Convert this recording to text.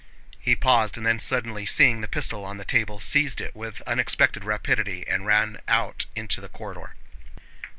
He paused and then suddenly seeing the pistol on the table seized it with unexpected rapidity and ran out into the corridor.